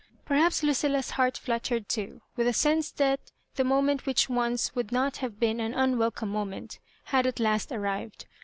Perhaps Lucilla's heart fluttered too, with a sense that the moment which once would not have been an unwelcome moment, had at last arrived.